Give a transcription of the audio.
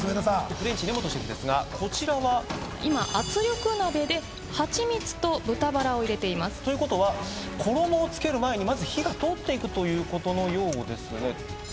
フレンチ根本シェフですがこちらは今圧力鍋で蜂蜜と豚バラを入れていますということは衣を付ける前にまず火が通っていくということのようですね